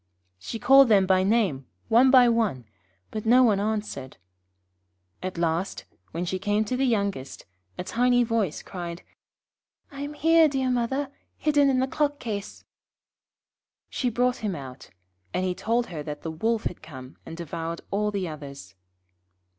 She called them by name, one by one, but no one answered. At last, when she came to the youngest, a tiny voice cried: 'I am here, dear mother, hidden in the clock case.' She brought him out, and he told her that the Wolf had come and devoured all the others.